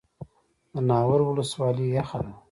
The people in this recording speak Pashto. د ناور ولسوالۍ یخه ده